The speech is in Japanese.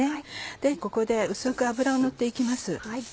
でここで薄く油を塗って行きます。